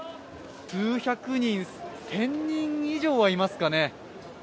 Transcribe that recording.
数百人、１０００人以上はいますかね。